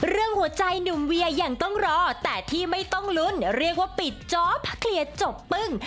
หัวใจหนุ่มเวียยังต้องรอแต่ที่ไม่ต้องลุ้นเรียกว่าปิดจ๊อปเคลียร์จบปึ้ง